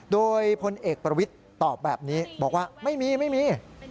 โดยพลเอกประวิทย์ตอบแบบนี้บอกว่าไม่มีไม่มี